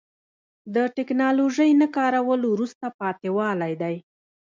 د تکنالوژۍ نه کارول وروسته پاتې والی دی.